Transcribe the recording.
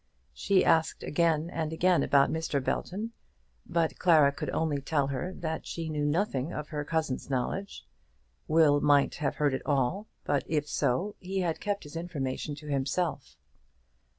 She asked again and again about Mr. Belton, but Clara could only tell her that she knew nothing of her cousin's knowledge. Will might have heard it all, but if so he had kept his information to himself.